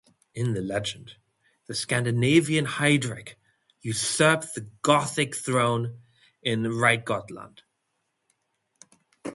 In the legend, the Scandinavian Heidrek usurps the Gothic throne in Reidgotaland.